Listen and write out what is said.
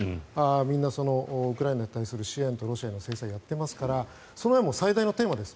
みんなウクライナに対する支援とロシアへの制裁をやってますからそれはもう最大のテーマです。